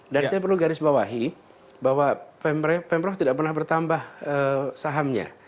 dan saya perlu garis bawahi bahwa pemprov tidak pernah bertambah sahamnya